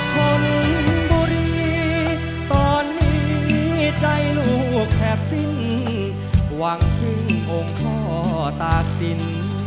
คนบุรีตอนนี้ใจลูกแทบสิ้นหวังทิ้งองค์พ่อตากศิลป์